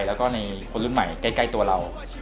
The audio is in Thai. แล้วก็ในคนรุ่นใหม่ใกล้ตัวเรา